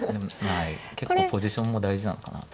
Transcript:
結構ポジションも大事なのかなと。